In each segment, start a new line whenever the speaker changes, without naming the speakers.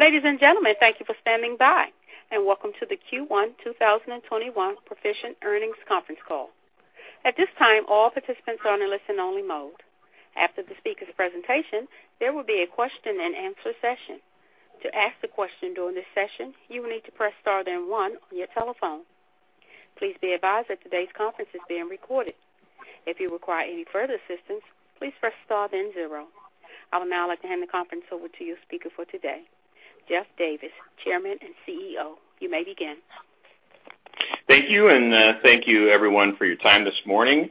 Ladies and gentlemen, thank you for standing by, and welcome to the Q1 2021 Perficient Earnings Conference Call. At this time, all participants are in a listen-only mode, after the speakers presentation there will be a Q&A session. To ask a question during the session you may need to press star then one on your telephone. Please be advised that today's conference is being recorded. If you require any further assistance, please press star then zero. I would now like to hand the conference over to your speaker for today, Jeffrey Davis, Chairman and CEO. You may begin.
Thank you, and thank you everyone for your time this morning.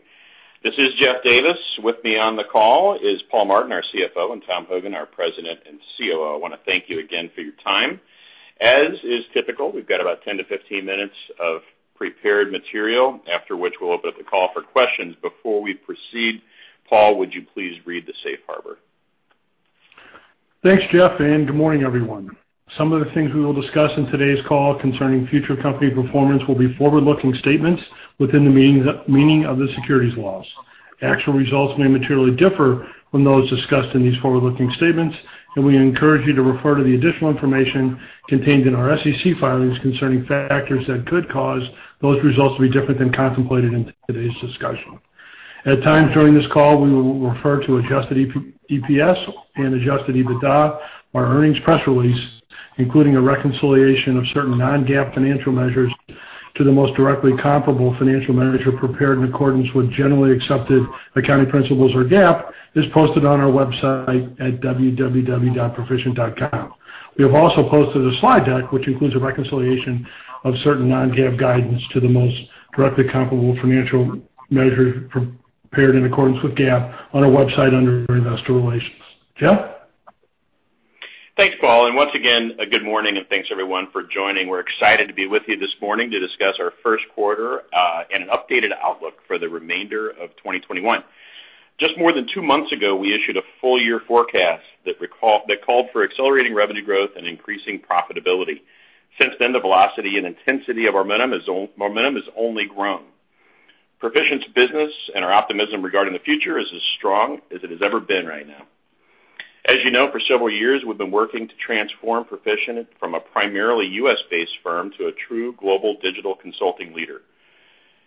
This is Jeffrey Davis. With me on the call is Paul Martin, our CFO, and Tom Hogan, our President and COO. I want to thank you again for your time. As is typical, we've got about 10-15 minutes of prepared material, after which we'll open up the call for questions. Before we proceed, Paul, would you please read the safe harbor?
Thanks, Jeff, and good morning, everyone. Some of the things we will discuss in today's call concerning future company performance will be forward-looking statements within the meaning of the securities laws. Actual results may materially differ from those discussed in these forward-looking statements, and we encourage you to refer to the additional information contained in our SEC filings concerning factors that could cause those results to be different than contemplated in today's discussion. At times during this call, we will refer to adjusted EPS and adjusted EBITDA. Our earnings press release, including a reconciliation of certain non-GAAP financial measures to the most directly comparable financial measures prepared in accordance with generally accepted accounting principles or GAAP, is posted on our website at www.perficient.com. We have also posted a slide deck, which includes a reconciliation of certain non-GAAP guidance to the most directly comparable financial measures prepared in accordance with GAAP on our website under Investor Relations. Jeff?
Thanks, Paul, and once again, a good morning and thanks everyone for joining. We're excited to be with you this morning to discuss our first quarter, and an updated outlook for the remainder of 2021. Just more than two months ago, we issued a full year forecast that called for accelerating revenue growth and increasing profitability. Since then, the velocity and intensity of our momentum has only grown. Perficient's business and our optimism regarding the future is as strong as it has ever been right now. As you know, for several years, we've been working to transform Perficient from a primarily U.S.-based firm to a true global digital consulting leader.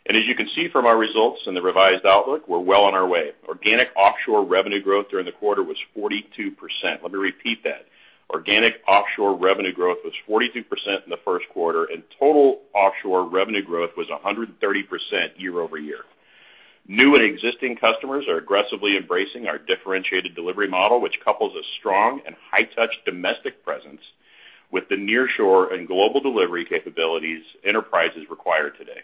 As you can see from our results and the revised outlook, we're well on our way. Organic offshore revenue growth during the quarter was 42%. Let me repeat that. Organic offshore revenue growth was 42% in the first quarter, and total offshore revenue growth was 130% year-over-year. New and existing customers are aggressively embracing our differentiated delivery model, which couples a strong and high touch domestic presence with the nearshore and global delivery capabilities enterprises require today.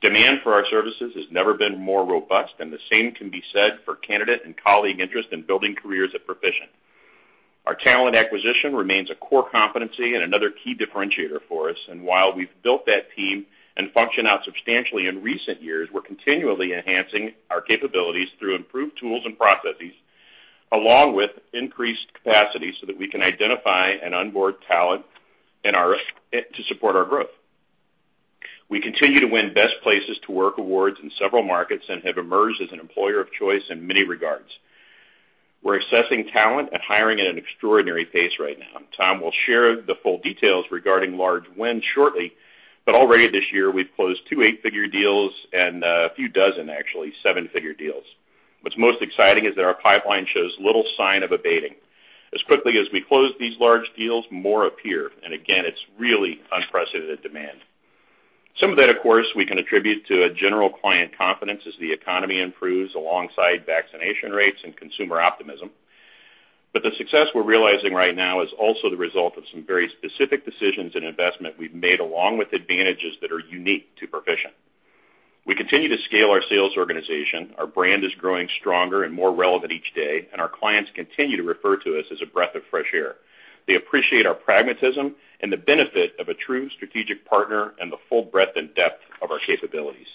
Demand for our services has never been more robust, and the same can be said for candidate and colleague interest in building careers at Perficient. Our talent acquisition remains a core competency and another key differentiator for us. While we've built that team and function out substantially in recent years, we're continually enhancing our capabilities through improved tools and processes, along with increased capacity so that we can identify and onboard talent to support our growth. We continue to win Best Places to Work awards in several markets and have emerged as an employer of choice in many regards. We're assessing talent and hiring at an extraordinary pace right now. Tom will share the full details regarding large wins shortly, but already this year, we've closed two eight-figure deals and a few dozen actually seven-figure deals. What's most exciting is that our pipeline shows little sign of abating. As quickly as we close these large deals, more appear, and again, it's really unprecedented demand. Some of that, of course, we can attribute to a general client confidence as the economy improves alongside vaccination rates and consumer optimism. But the success we're realizing right now is also the result of some very specific decisions and investment we've made, along with advantages that are unique to Perficient. We continue to scale our sales organization. Our brand is growing stronger and more relevant each day, and our clients continue to refer to us as a breath of fresh air. They appreciate our pragmatism and the benefit of a true strategic partner and the full breadth and depth of our capabilities.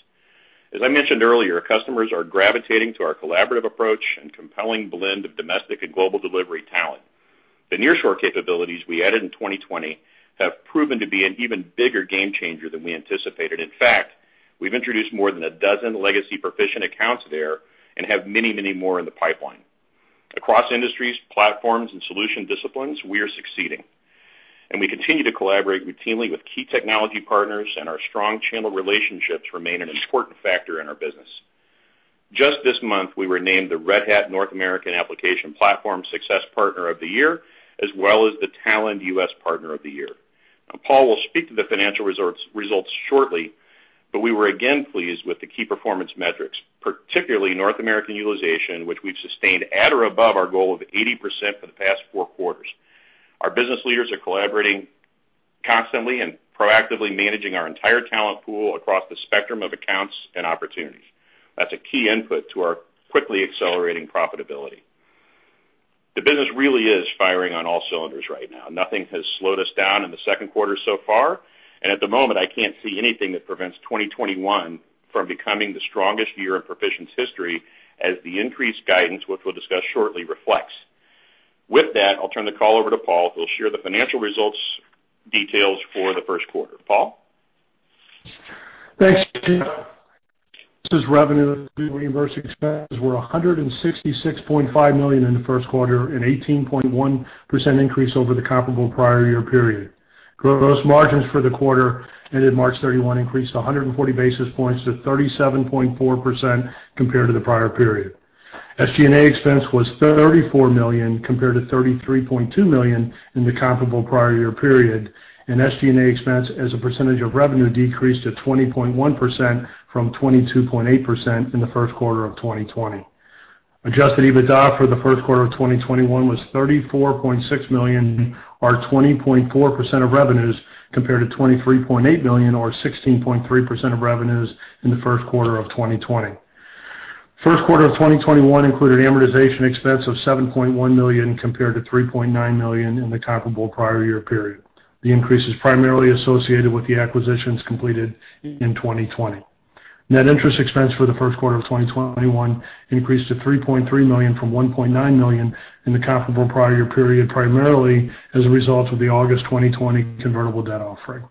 As I mentioned earlier, customers are gravitating to our collaborative approach and compelling blend of domestic and global delivery talent. The nearshore capabilities we added in 2020 have proven to be an even bigger game changer than we anticipated. In fact, we've introduced more than a dozen legacy Perficient accounts there and have many more in the pipeline. Across industries, platforms, and solution disciplines, we are succeeding, and we continue to collaborate routinely with key technology partners, and our strong channel relationships remain an important factor in our business. Just this month, we were named the Red Hat North American Application Platform Success Partner of the Year, as well as the Talend U.S. Partner of the Year. Paul will speak to the financial results shortly, but we were again pleased with the key performance metrics, particularly North American utilization, which we've sustained at or above our goal of 80% for the past four quarters. Our business leaders are collaborating constantly and proactively managing our entire talent pool across the spectrum of accounts and opportunities. That's a key input to our quickly accelerating profitability. The business really is firing on all cylinders right now. Nothing has slowed us down in the second quarter so far, and at the moment, I can't see anything that prevents 2021 from becoming the strongest year in Perficient's history as the increased guidance, which we'll discuss shortly, reflects. With that, I'll turn the call over to Paul, who will share the financial results details for the first quarter. Paul?
Thanks, Jeff. This is revenue reimbursement expenses were $166.5 million in the first quarter, an 18.1% increase over the comparable prior year period. Gross margins for the quarter ended March 31 increased 140 basis points to 37.4% compared to the prior period. SG&A expense was $34 million compared to $33.2 million in the comparable prior year period, and SG&A expense as a percentage of revenue decreased to 20.1% from 22.8% in the first quarter of 2020. Adjusted EBITDA for the first quarter of 2021 was $34.6 million, or 20.4% of revenues, compared to $23.8 million or 16.3% of revenues in the first quarter of 2020. First quarter of 2021 included amortization expense of $7.1 million compared to $3.9 million in the comparable prior year period. The increase is primarily associated with the acquisitions completed in 2020. Net interest expense for the first quarter of 2021 increased to $3.3 million from $1.9 million in the comparable prior year period, primarily as a result of the August 2020 convertible debt offering.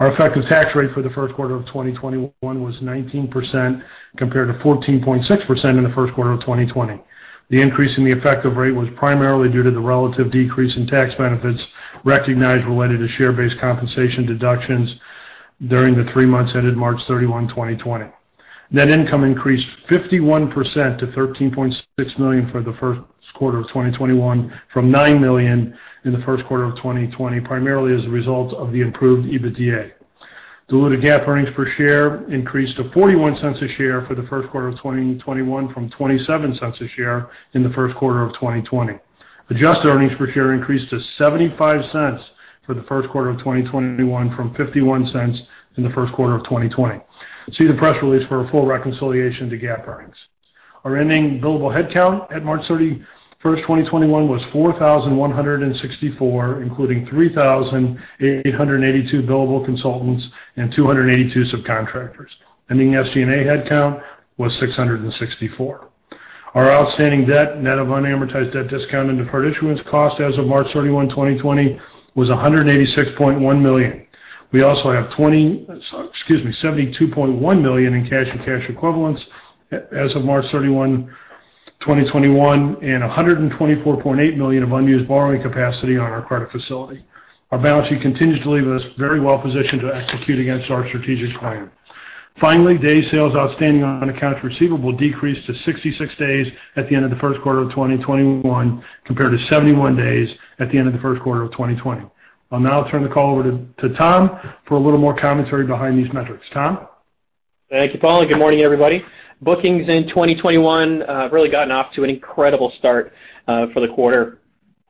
Our effective tax rate for the first quarter of 2021 was 19%, compared to 14.6% in the first quarter of 2020. The increase in the effective rate was primarily due to the relative decrease in tax benefits recognized related to share-based compensation deductions during the three months ended March 31, 2020. Net income increased 51% to $13.6 million for the first quarter of 2021 from $9 million in the first quarter of 2020, primarily as a result of the improved EBITDA. Diluted GAAP earnings per share increased to $0.41 a share for the first quarter of 2021 from $0.27 a share in the first quarter of 2020. Adjusted earnings per share increased to $0.75 for the first quarter of 2021 from $0.51 in the first quarter of 2020. See the press release for a full reconciliation to GAAP earnings. Our ending billable headcount at March 31, 2021 was 4,164, including 3,882 billable consultants and 282 subcontractors. Ending SG&A headcount was 664. Our outstanding debt, net of unamortized debt discount and the debt issuance cost as of March 31, 2020, was $186.1 million. We also have $72.1 million in cash and cash equivalents as of March 31, 2021, and $124.8 million of unused borrowing capacity on our credit facility. Our balance sheet continues to leave us very well positioned to execute against our strategic plan. Finally, day sales outstanding on accounts receivable decreased to 66 days at the end of the first quarter of 2021, compared to 71 days at the end of the first quarter of 2020. I'll now turn the call over to Tom for a little more commentary behind these metrics. Tom?
Thank you, Paul, and good morning, everybody. Bookings in 2021 have really gotten off to an incredible start for the quarter.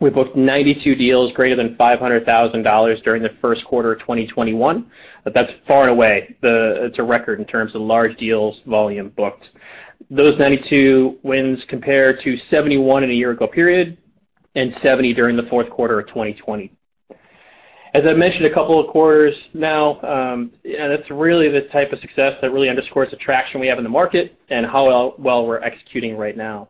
We booked 92 deals greater than $500,000 during the first quarter of 2021. That's far and away. It's a record in terms of large deals, volume booked. Those 92 wins compare to 71 in a year ago period and 70 during the fourth quarter of 2020. As I mentioned a couple of quarters now, and it's really the type of success that really underscores the traction we have in the market and how well we're executing right now.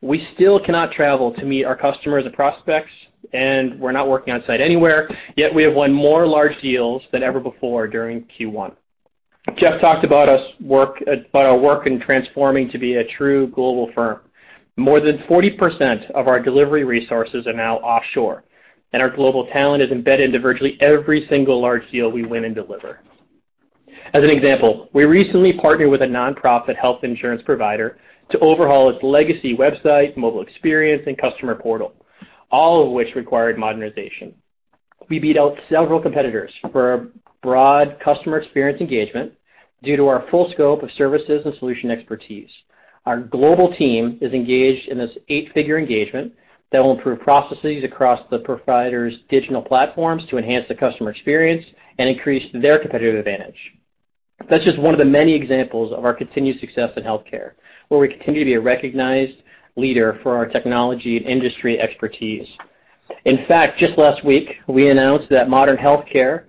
We still cannot travel to meet our customers and prospects, and we're not working on site anywhere, yet we have won more large deals than ever before during Q1. Jeff talked about our work in transforming to be a true global firm. More than 40% of our delivery resources are now offshore, and our global talent is embedded into virtually every single large deal we win and deliver. As an example, we recently partnered with a nonprofit health insurance provider to overhaul its legacy website, mobile experience, and customer portal, all of which required modernization. We beat out several competitors for a broad customer experience engagement due to our full scope of services and solution expertise. Our global team is engaged in this eight-figure engagement that will improve processes across the provider's digital platforms to enhance the customer experience and increase their competitive advantage. That's just one of the many examples of our continued success in healthcare, where we continue to be a recognized leader for our technology and industry expertise. In fact, just last week, we announced that Modern Healthcare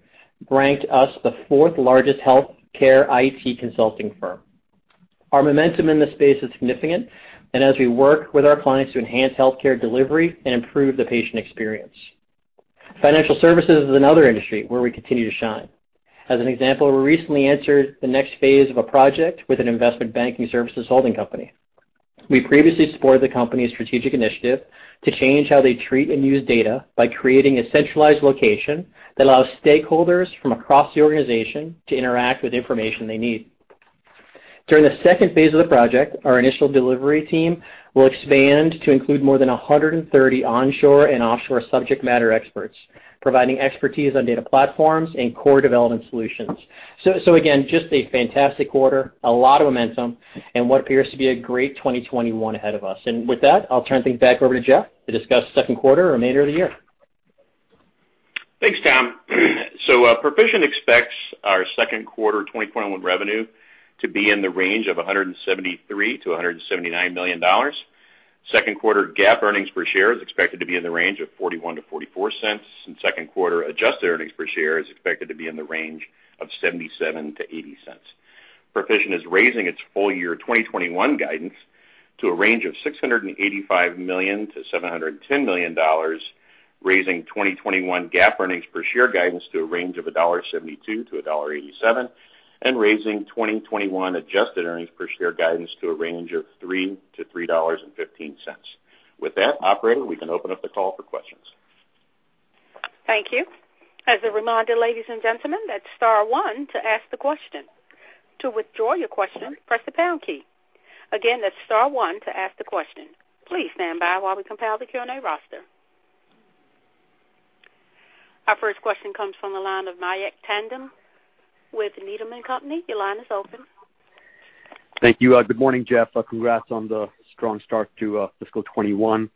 ranked us the fourth largest healthcare IT consulting firm. Our momentum in this space is significant, as we work with our clients to enhance healthcare delivery and improve the patient experience. Financial services is another industry where we continue to shine. As an example, we recently entered the next phase of a project with an investment banking services holding company. We previously supported the company's strategic initiative to change how they treat and use data by creating a centralized location that allows stakeholders from across the organization to interact with information they need. During the phase II of the project, our initial delivery team will expand to include more than 130 onshore and offshore subject matter experts, providing expertise on data platforms and core development solutions. Again, just a fantastic quarter, a lot of momentum, and what appears to be a great 2021 ahead of us. With that, I'll turn things back over to Jeff to discuss second quarter and remainder of the year.
Thanks, Tom. Perficient expects our second quarter 2021 revenue to be in the range of $173 million-$179 million. Second quarter GAAP earnings per share is expected to be in the range of $0.41-$0.44, and second quarter adjusted earnings per share is expected to be in the range of $0.77-$0.80. Perficient is raising its full year 2021 guidance to a range of $685 million-$710 million, raising 2021 GAAP earnings per share guidance to a range of $1.72-$1.87, and raising 2021 adjusted earnings per share guidance to a range of $3-$3.15. With that, operator, we can open up the call for questions.
Thank you. As a reminder ladies and gentlemen, star one to ask a question. To withdraw your question, press the pound key. Again, that is star one to ask a question. Please stand by while we compile the Q&A roster. Our first question comes from the line of Mayank Tandon with Needham & Company. Your line is open.
Thank you. Good morning, Jeff. Congrats on the strong start to fiscal 2021.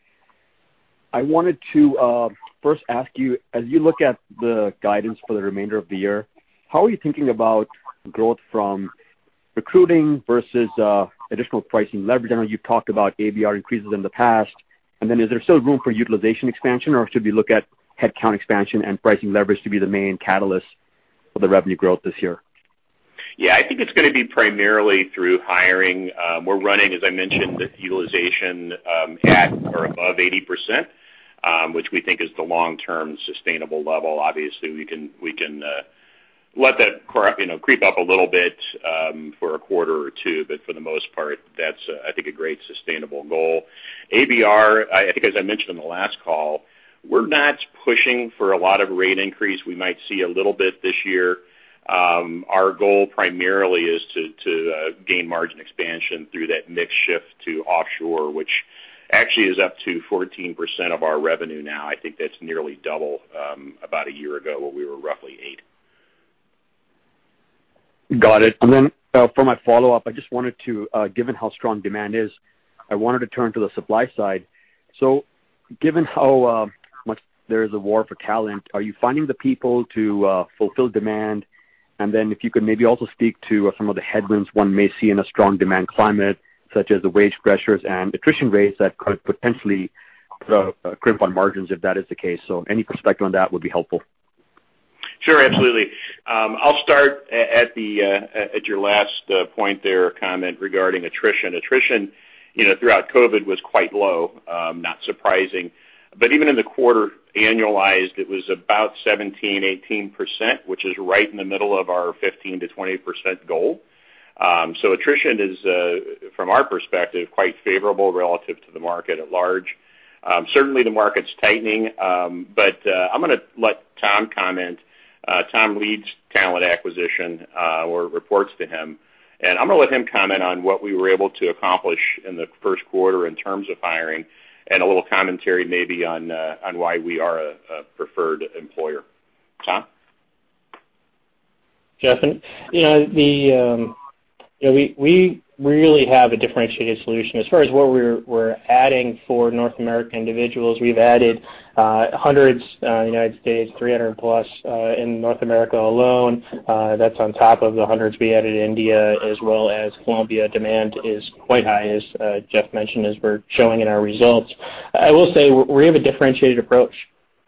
I wanted to first ask you, as you look at the guidance for the remainder of the year, how are you thinking about growth from recruiting versus additional pricing leverage? I know you've talked about ABR increases in the past, and then is there still room for utilization expansion, or should we look at headcount expansion and pricing leverage to be the main catalyst for the revenue growth this year?
I think it's going to be primarily through hiring. We're running, as I mentioned, with utilization at or above 80%, which we think is the long-term sustainable level. Obviously, we can let that creep up a little bit for a quarter or 2, but for the most part, that's, I think, a great sustainable goal. ABR, I think as I mentioned on the last call, we're not pushing for a lot of rate increase. We might see a little bit this year. Our goal primarily is to gain margin expansion through that mix shift to offshore, which actually is up to 14% of our revenue now. I think that's nearly double about a year ago, what we were roughly 8%.
Got it. For my follow-up, given how strong demand is, I wanted to turn to the supply side. Given how much there is a war for talent, are you finding the people to fulfill demand? If you could maybe also speak to some of the headwinds one may see in a strong demand climate, such as the wage pressures and attrition rates that could potentially put a crimp on margins if that is the case. Any perspective on that would be helpful.
Sure, absolutely. I'll start at your last point there, comment regarding attrition. Attrition throughout COVID was quite low, not surprising. Even in the quarter, annualized, it was about 17%, 18%, which is right in the middle of our 15%-20% goal. Attrition is, from our perspective, quite favorable relative to the market at large. Certainly, the market's tightening. I'm going to let Tom comment. Tom leads talent acquisition or it reports to him, and I'm going to let him comment on what we were able to accomplish in the first quarter in terms of hiring and a little commentary maybe on why we are a preferred employer. Tom?
Jeff, we really have a differentiated solution as far as what we're adding for North America individuals. We've added hundreds in the U.S., +300 in North America alone. That's on top of the hundreds we added India as well as Colombia. Demand is quite high, as Jeff mentioned, as we're showing in our results. I will say we have a differentiated approach.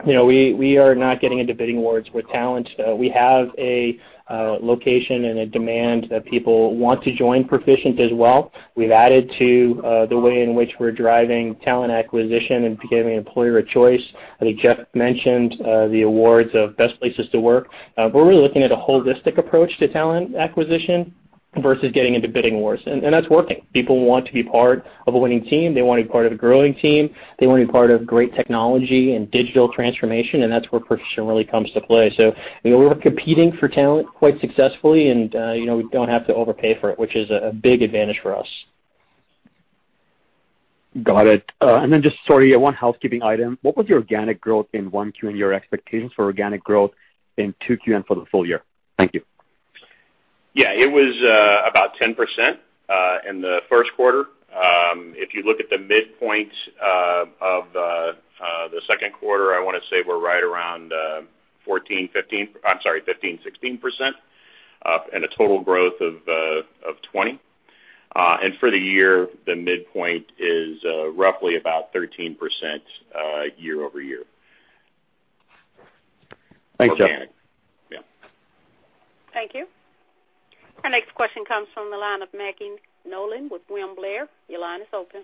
We are not getting into bidding wars with talent. We have a location and a demand that people want to join Perficient as well. We've added to the way in which we're driving talent acquisition and becoming employer of choice. I think Jeff mentioned the awards of best places to work. We're really looking at a holistic approach to talent acquisition versus getting into bidding wars, and that's working. People want to be part of a winning team. They want to be part of a growing team. They want to be part of great technology and digital transformation, and that's where Perficient really comes to play. We're competing for talent quite successfully, and we don't have to overpay for it, which is a big advantage for us.
Got it. Just, sorry, one housekeeping item. What was your organic growth in 1Q and your expectations for organic growth in 2Q and for the full year? Thank you.
Yeah. It was about 10% in the first quarter. If you look at the midpoint of the second quarter, I want to say we're right around 15%, 16%, and a total growth of 20%. For the year, the midpoint is roughly about 13% year-over-year.
Thanks, Jeff.
Organic. Yeah.
Thank you. Our next question comes from the line of Maggie Nolan with William Blair. Your line is open.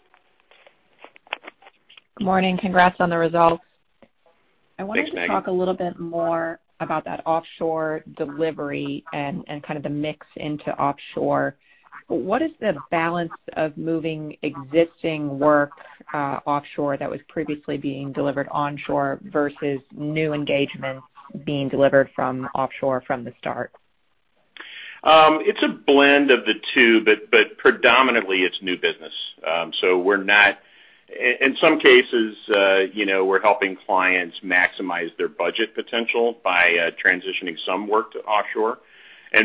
Good morning. Congrats on the results.
Thanks, Maggie.
I wanted to talk a little bit more about that offshore delivery and kind of the mix into offshore. What is the balance of moving existing work offshore that was previously being delivered onshore versus new engagements being delivered from offshore from the start?
It's a blend of the two, but predominantly it's new business. In some cases, we're helping clients maximize their budget potential by transitioning some work to offshore.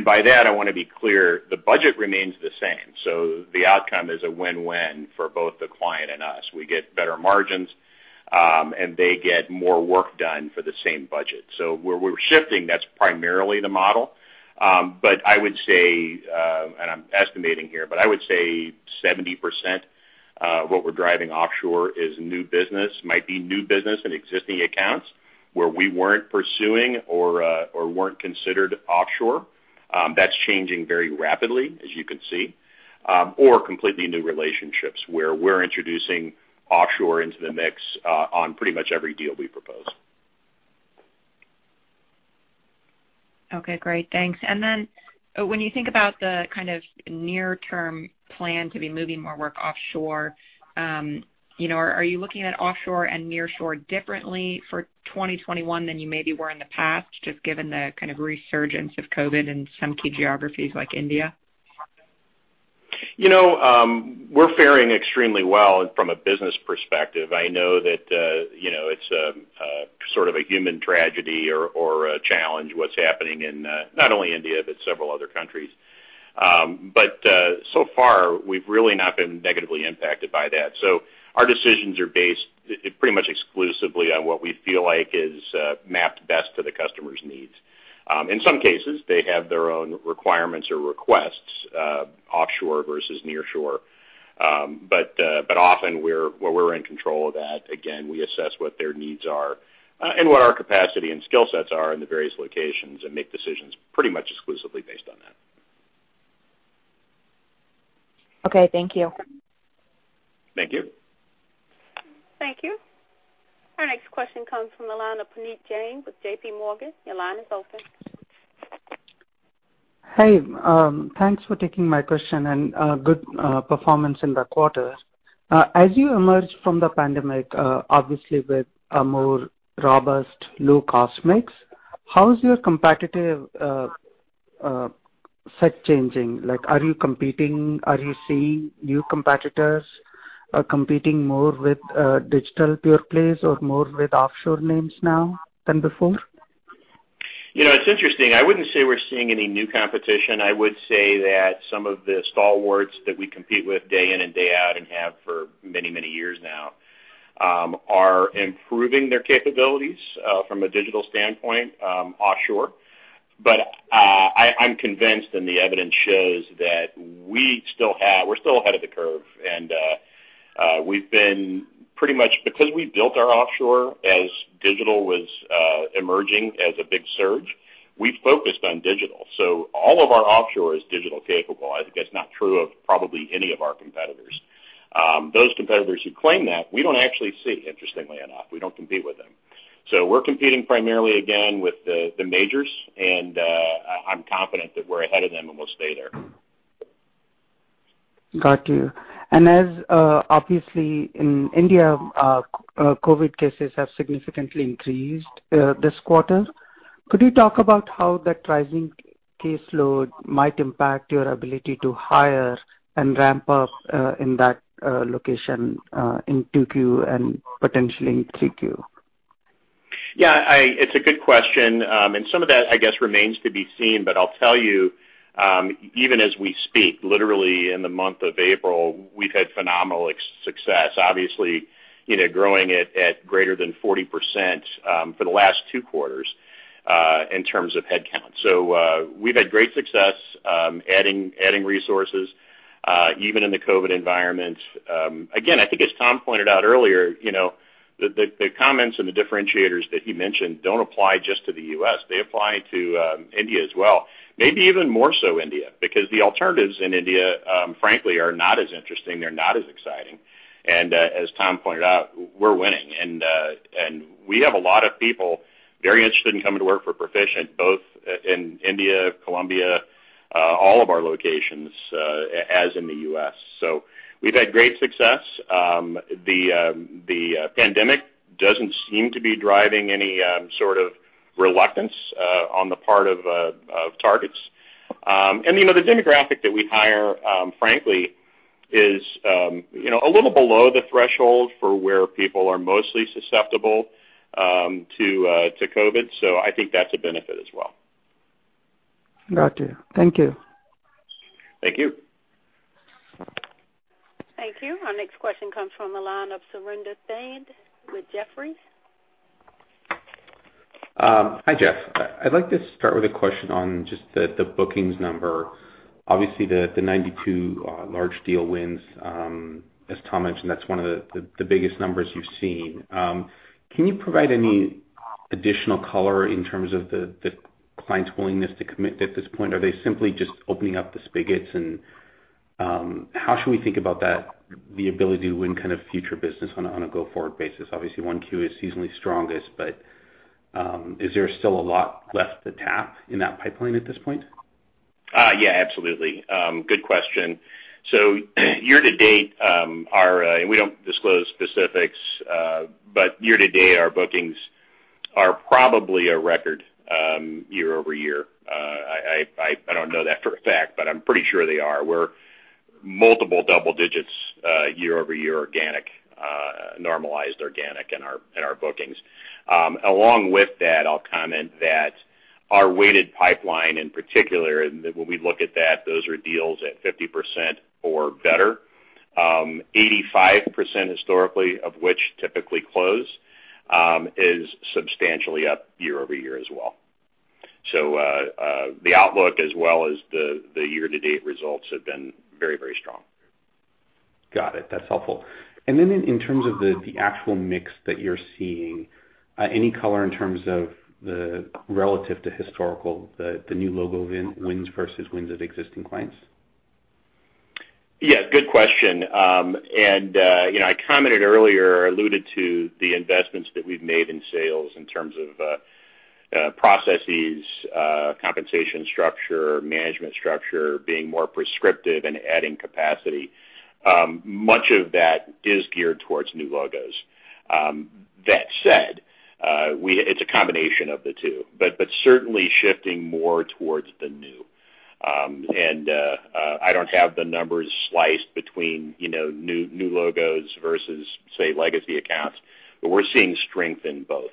By that, I want to be clear, the budget remains the same. The outcome is a win-win for both the client and us. We get better margins, and they get more work done for the same budget. Where we're shifting, that's primarily the model. I would say, and I'm estimating here, but I would say 70% of what we're driving offshore is new business, might be new business and existing accounts where we weren't pursuing or weren't considered offshore. That's changing very rapidly, as you can see, or completely new relationships where we're introducing offshore into the mix on pretty much every deal we propose.
Okay, great. Thanks. When you think about the kind of near term plan to be moving more work offshore, are you looking at offshore and nearshore differently for 2021 than you maybe were in the past, just given the kind of resurgence of COVID in some key geographies like India?
We're fairing extremely well from a business perspective. I know that it's a sort of a human tragedy or a challenge what's happening in, not only India, but several other countries. So far, we've really not been negatively impacted by that. Our decisions are based pretty much exclusively on what we feel like is mapped best to the customer's needs. In some cases, they have their own requirements or requests, offshore versus nearshore. Often where we're in control of that, again, we assess what their needs are and what our capacity and skill sets are in the various locations and make decisions pretty much exclusively based on that.
Okay, thank you.
Thank you.
Thank you. Our next question comes from the line of Puneet Jain with JPMorgan. Your line is open.
Hey, thanks for taking my question and good performance in the quarter. As you emerge from the pandemic, obviously with a more robust low-cost mix, how is your competitive set changing? Are you seeing new competitors competing more with digital pure plays or more with offshore names now than before?
It's interesting. I wouldn't say we're seeing any new competition. I would say that some of the stalwarts that we compete with day in and day out and have for many, many years now, are improving their capabilities from a digital standpoint offshore. I'm convinced, and the evidence shows that we're still ahead of the curve, and because we built our offshore as digital was emerging as a big surge, we focused on digital. All of our offshore is digital capable. I think that's not true of probably any of our competitors. Those competitors who claim that, we don't actually see, interestingly enough, we don't compete with them. We're competing primarily again with the majors, and I'm confident that we're ahead of them, and we'll stay there.
Got you. As obviously in India, COVID cases have significantly increased this quarter. Could you talk about how that rising caseload might impact your ability to hire and ramp up in that location in 2Q and potentially in 3Q?
Yeah, it's a good question. Some of that, I guess, remains to be seen, but I'll tell you, even as we speak, literally in the month of April, we've had phenomenal success, obviously, growing it at greater than 40% for the last two quarters in terms of headcount. We've had great success adding resources even in the COVID environment. Again, I think as Tom pointed out earlier, the comments and the differentiators that he mentioned don't apply just to the U.S. They apply to India as well. Maybe even more so India, because the alternatives in India, frankly, are not as interesting. They're not as exciting. As Tom pointed out, we're winning. We have a lot of people very interested in coming to work for Perficient, both in India, Colombia, all of our locations as in the U.S. We've had great success. The pandemic doesn't seem to be driving any sort of reluctance on the part of targets. The demographic that we hire, frankly, is a little below the threshold for where people are mostly susceptible to COVID. I think that's a benefit as well.
Got you. Thank you.
Thank you.
Thank you. Our next question comes from the line of Surinder Thind with Jefferies.
Hi, Jeff. I'd like to start with a question on just the bookings number. Obviously, the 92 large deal wins, as Tom mentioned, that's one of the biggest numbers you've seen. Can you provide any additional color in terms of the client's willingness to commit at this point? Are they simply just opening up the spigots? How should we think about that, the ability to win kind of future business on a go-forward basis? Obviously, 1Q is seasonally strongest, is there still a lot left to tap in that pipeline at this point?
Yeah, absolutely. Good question. Year-to-date, we don't disclose specifics, but year-to-date, our bookings are probably a record year-over-year. I don't know that for a fact, but I'm pretty sure they are. We're multiple double digits year-over-year organic, normalized organic in our bookings. Along with that, I'll comment that our weighted pipeline in particular, when we look at that, those are deals at 50% or better. 85% historically, of which typically close, is substantially up year-over-year as well. The outlook as well as the year-to-date results have been very, very strong.
Got it. That's helpful. In terms of the actual mix that you're seeing, any color in terms of the relative to historical, the new logo wins versus wins of existing clients?
Yeah, good question. I commented earlier or alluded to the investments that we've made in sales in terms of processes, compensation structure, management structure, being more prescriptive and adding capacity. Much of that is geared towards new logos. That said, it's a combination of the two, but certainly shifting more towards the new. I don't have the numbers sliced between new logos versus, say, legacy accounts, but we're seeing strength in both.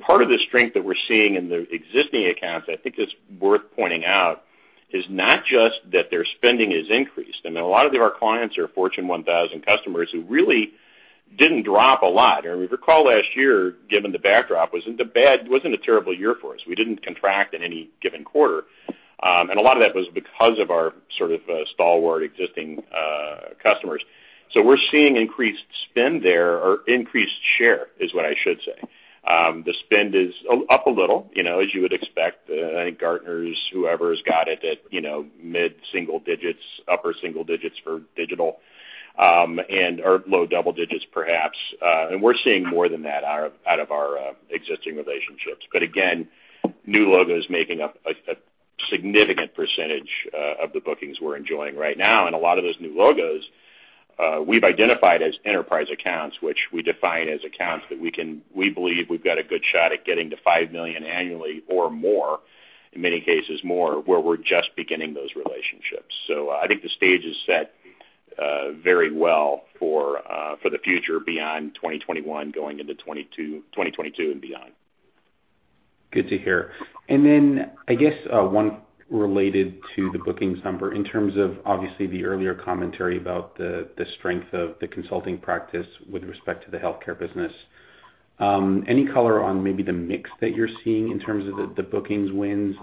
Part of the strength that we're seeing in the existing accounts, I think that's worth pointing out, is not just that their spending has increased. I mean, a lot of our clients are Fortune 1000 customers who really didn't drop a lot. I mean, if you recall last year, given the backdrop, it wasn't a terrible year for us. We didn't contract in any given quarter. A lot of that was because of our sort of stalwart existing customers. We're seeing increased spend there, or increased share is what I should say. The spend is up a little, as you would expect. I think Gartner's, whoever's got it at mid-single digits, upper single digits for digital, and/or low double digits perhaps. We're seeing more than that out of our existing relationships. Again, new logos making up a significant percentage of the bookings we're enjoying right now. A lot of those new logos, we've identified as enterprise accounts, which we define as accounts that we believe we've got a good shot at getting to $5 million annually or more, in many cases more, where we're just beginning those relationships. I think the stage is set very well for the future beyond 2021, going into 2022 and beyond.
Good to hear. I guess, one related to the bookings number, in terms of obviously the earlier commentary about the strength of the consulting practice with respect to the healthcare business. Any color on maybe the mix that you're seeing in terms of the bookings wins?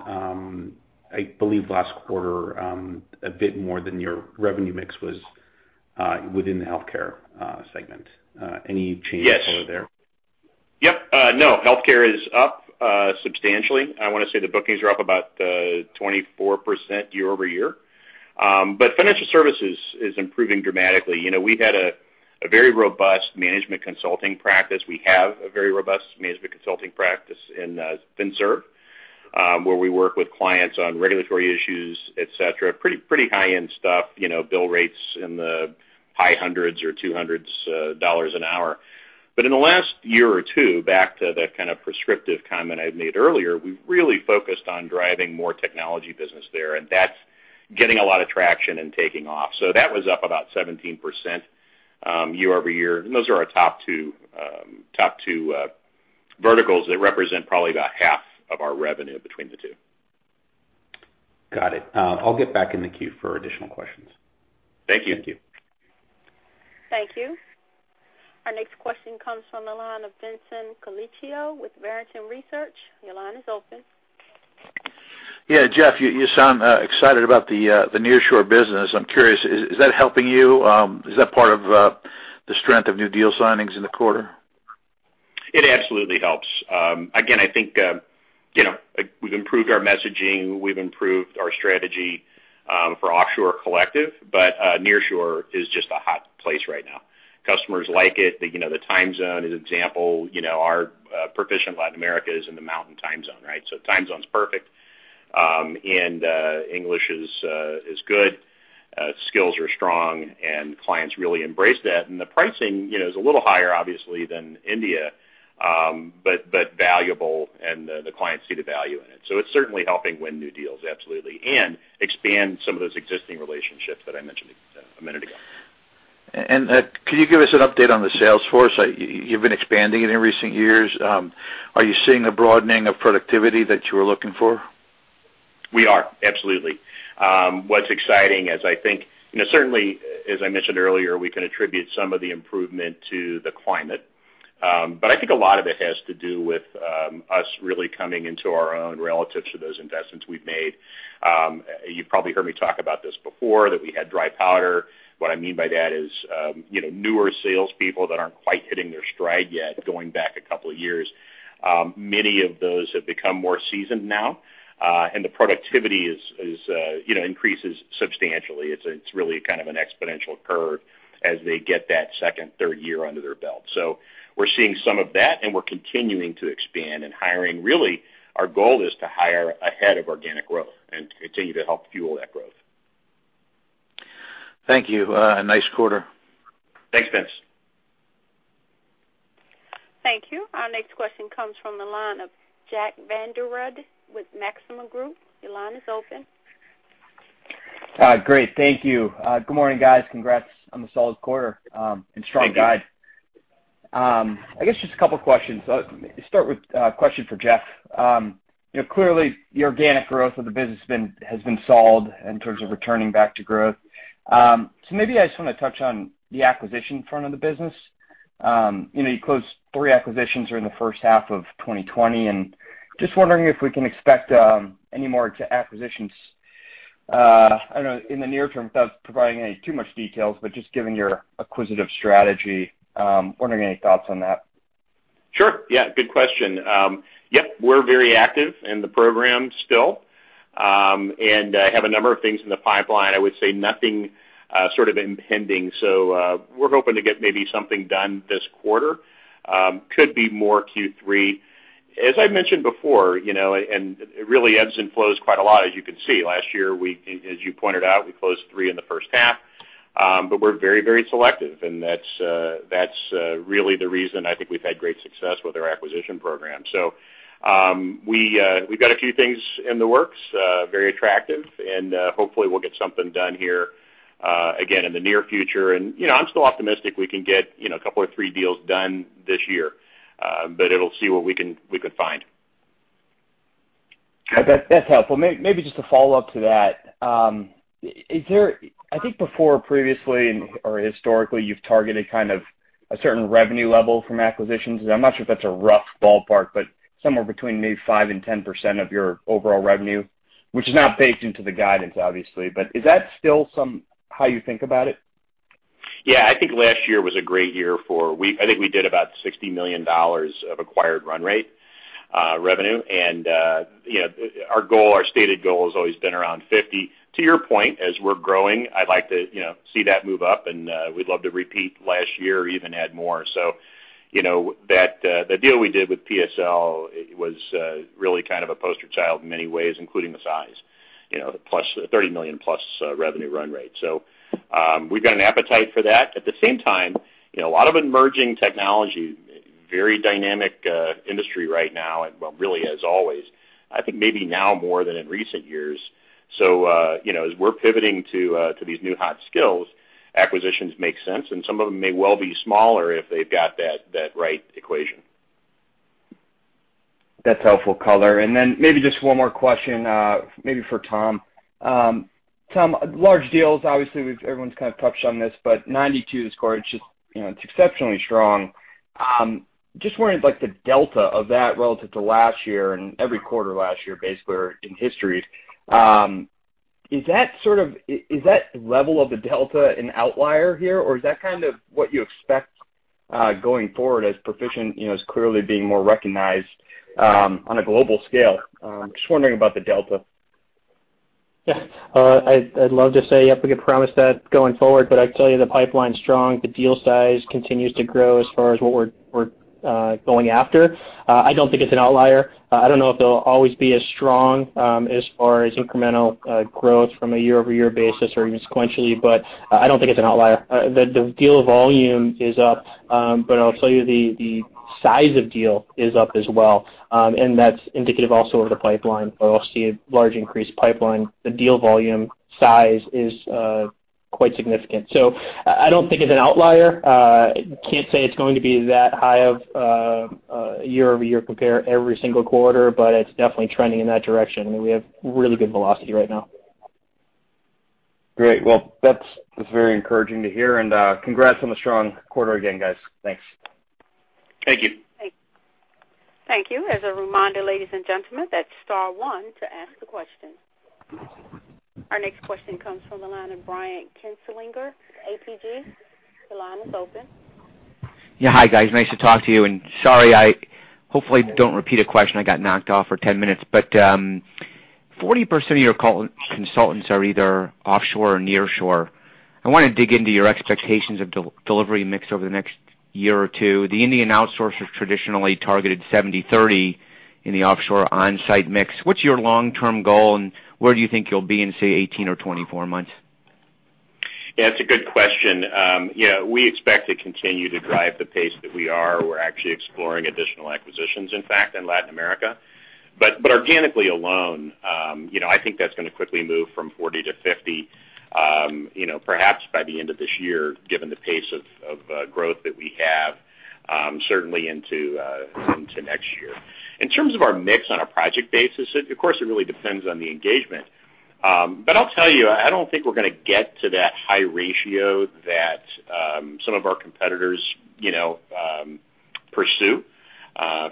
I believe last quarter, a bit more than your revenue mix was within the healthcare segment. Any change over there?
Yes. Yep. No, healthcare is up substantially. I want to say the bookings are up about 24% year-over-year. Financial services is improving dramatically. We had a very robust management consulting practice. We have a very robust management consulting practice in FinServ, where we work with clients on regulatory issues, et cetera. Pretty high-end stuff, bill rates in the high hundreds or $200 an hour. In the last year or two, back to the kind of prescriptive comment I made earlier, we've really focused on driving more technology business there, and that's getting a lot of traction and taking off. That was up about 17% year-over-year. Those are our top two verticals that represent probably about half of our revenue between the two.
Got it. I'll get back in the queue for additional questions.
Thank you.
Thank you. Our next question comes from the line of Vincent Colicchio with Barrington Research. Your line is open.
Yeah, Jeff, you sound excited about the nearshore business. I'm curious, is that helping you? Is that part of the strength of new deal signings in the quarter?
It absolutely helps. Again, I think we've improved our messaging, we've improved our strategy for offshore collective, but nearshore is just a hot place right now. Customers like it. The time zone is an example. Our Perficient Latin America is in the Mountain Time Zone, right? Time zone's perfect, and English is good, skills are strong, and clients really embrace that. The pricing is a little higher, obviously, than India, but valuable and the clients see the value in it. It's certainly helping win new deals, absolutely, and expand some of those existing relationships that I mentioned a minute ago.
Could you give us an update on the sales force? You've been expanding it in recent years. Are you seeing a broadening of productivity that you were looking for?
We are. Absolutely. What's exciting is I think certainly, as I mentioned earlier, we can attribute some of the improvement to the climate. I think a lot of it has to do with us really coming into our own relative to those investments we've made. You've probably heard me talk about this before, that we had dry powder. What I mean by that is newer salespeople that aren't quite hitting their stride yet, going back a couple of years. Many of those have become more seasoned now, and the productivity increases substantially. It's really kind of an exponential curve as they get that second, third year under their belt. We're seeing some of that, and we're continuing to expand and hiring really, our goal is to hire ahead of organic growth and continue to help fuel that growth.
Thank you. Nice quarter.
Thanks, Vince.
Thank you. Our next question comes from the line of Jack Vander Aarde with Maxim Group. Your line is open.
Great. Thank you. Good morning, guys. Congrats on the solid quarter and strong guide.
Thank you.
I guess just a couple of questions. Start with a question for Jeff. Clearly the organic growth of the business has been solid in terms of returning back to growth. Maybe I just want to touch on the acquisition front of the business. You closed three acquisitions during the first half of 2020, and just wondering if we can expect any more acquisitions. I don't know, in the near term, without providing too much details, but just given your acquisitive strategy, wondering any thoughts on that.
Sure. Yeah, good question. Yep, we're very active in the program still. I have a number of things in the pipeline. I would say nothing sort of impending. We're hoping to get maybe something done this quarter. Could be more Q3. As I've mentioned before, and it really ebbs and flows quite a lot, as you can see. Last year, as you pointed out, we closed three in the first half. We're very selective, and that's really the reason I think we've had great success with our acquisition program. We've got a few things in the works, very attractive and, hopefully we'll get something done here, again, in the near future. I'm still optimistic we can get a couple or three deals done this year. It'll see what we could find.
That's helpful. Maybe just a follow-up to that. I think before previously or historically, you've targeted kind of a certain revenue level from acquisitions, and I'm not sure if that's a rough ballpark, but somewhere between maybe 5% and 10% of your overall revenue, which is not baked into the guidance, obviously, but is that still how you think about it?
Yeah, I think last year was a great year. I think we did about $60 million of acquired run rate, revenue. Our stated goal has always been around $50 million. To your point, as we're growing, I'd like to see that move up and we'd love to repeat last year or even add more. The deal we did with PSL, it was really kind of a poster child in many ways, including the size. The $30 million-plus revenue run rate. We've got an appetite for that. At the same time, a lot of emerging technology, very dynamic industry right now, and well, really as always. I think maybe now more than in recent years. As we're pivoting to these new hot skills, acquisitions make sense, and some of them may well be smaller if they've got that right equation.
That's helpful color. Maybe just one more question, maybe for Tom. Tom, large deals, obviously everyone's kind of touched on this, but 92 score, it's exceptionally strong. Just wondering, the delta of that relative to last year and every quarter last year, basically, or in history. Is that level of a delta an outlier here or is that kind of what you expect going forward as Perficient is clearly being more recognized on a global scale? Just wondering about the delta.
Yeah. I'd love to say, yep, we could promise that going forward, I'd tell you the pipeline's strong. The deal size continues to grow as far as what we're going after. I don't think it's an outlier. I don't know if they'll always be as strong, as far as incremental growth from a year-over-year basis or even sequentially, but I don't think it's an outlier. The deal volume is up, but I'll tell you, the size of deal is up as well. That's indicative also of the pipeline, where we'll see a large increased pipeline. The deal volume size is quite significant. I don't think it's an outlier. Can't say it's going to be that high of a year-over-year compare every single quarter, but it's definitely trending in that direction. I mean, we have really good velocity right now.
Great. Well, that's very encouraging to hear. Congrats on the strong quarter again, guys. Thanks.
Thank you.
Thank you. Our next question comes from the line of Brian Kinstlinger, APG.
Hi guys, nice to talk to you. Sorry, hopefully don't repeat a question. I got knocked off for 10 minutes. 40% of your consultants are either offshore or nearshore. I want to dig into your expectations of delivery mix over the next year or two. The Indian outsourcers traditionally targeted 70/30 in the offshore/onsite mix. What's your long-term goal and where do you think you'll be in, say, 18 or 24 months?
Yeah, it's a good question. We expect to continue to drive the pace that we are. We're actually exploring additional acquisitions, in fact, in Latin America. Organically alone, I think that's going to quickly move from 40 to 50, perhaps by the end of this year, given the pace of growth that we have, certainly into next year. In terms of our mix on a project basis, of course, it really depends on the engagement. I'll tell you, I don't think we're going to get to that high ratio that some of our competitors pursue.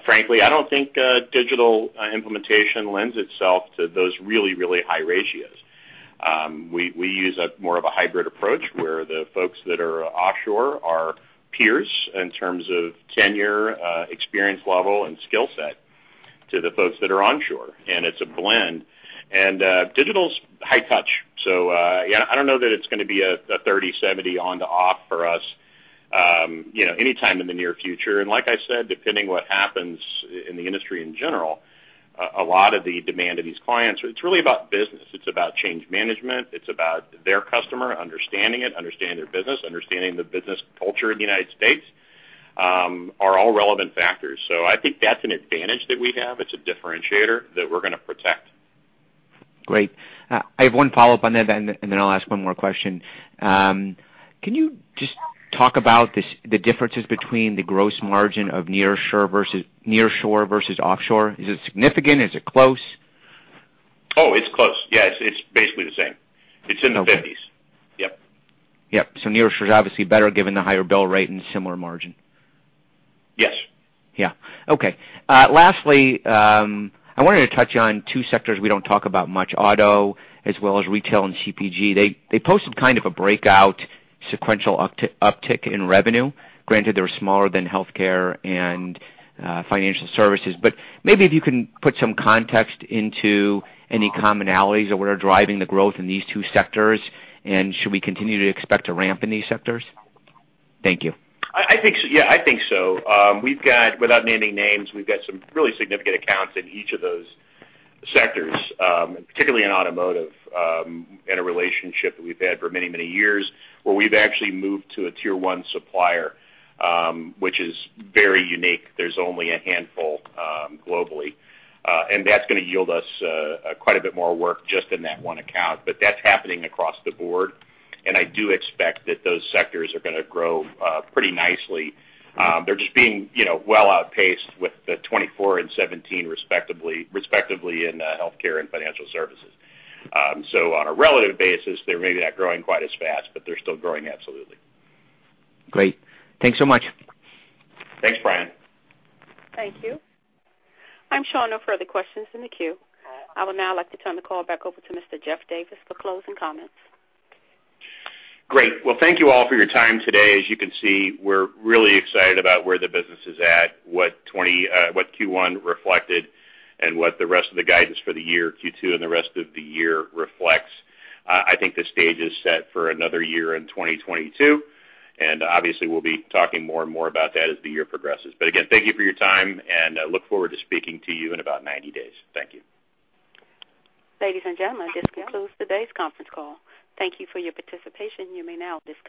Frankly, I don't think digital implementation lends itself to those really high ratios. We use more of a hybrid approach where the folks that are offshore are peers in terms of tenure, experience level and skill set to the folks that are onshore, and it's a blend. Digital's high touch. Yeah, I don't know that it's going to be a 30/70 on to off for us anytime in the near future. Like I said, depending what happens in the industry in general, a lot of the demand of these clients, it's really about business. It's about change management. It's about their customer, understanding it, understanding their business, understanding the business culture in the U.S., are all relevant factors. I think that's an advantage that we have. It's a differentiator that we're going to protect.
Great. I have one follow-up on that, and then I'll ask one more question. Can you just talk about the differences between the gross margin of nearshore versus offshore? Is it significant? Is it close?
Oh, it's close. Yeah, it's basically the same. It's in the 50s. Yep.
Yep. nearshore is obviously better given the higher bill rate and similar margin.
Yes.
Yeah. Okay. Lastly, I wanted to touch on two sectors we don't talk about much, auto as well as retail and CPG. They posted kind of a breakout sequential uptick in revenue. Granted, they were smaller than healthcare and financial services, but maybe if you can put some context into any commonalities that were driving the growth in these two sectors, and should we continue to expect a ramp in these sectors? Thank you.
Yeah, I think so. Without naming names, we've got some really significant accounts in each of those sectors. Particularly in automotive, in a relationship that we've had for many years, where we've actually moved to a tier 1 supplier, which is very unique. There's only a handful globally. That's going to yield us quite a bit more work just in that one account. That's happening across the board, and I do expect that those sectors are going to grow pretty nicely. They're just being well outpaced with the 24 and 17 respectively in healthcare and financial services. On a relative basis, they may not growing quite as fast, but they're still growing absolutely.
Great. Thanks so much.
Thanks, Brian.
Thank you. I'm showing no further questions in the queue. I would now like to turn the call back over to Mr. Jeffrey Davis for closing comments.
Great. Well, thank you all for your time today. As you can see, we're really excited about where the business is at, what Q1 reflected, and what the rest of the guidance for the year, Q2, and the rest of the year reflects. I think the stage is set for another year in 2022, obviously we'll be talking more and more about that as the year progresses. Again, thank you for your time, and I look forward to speaking to you in about 90 days. Thank you.
Ladies and gentlemen, this concludes today's conference call. Thank you for your participation. You may now disconnect.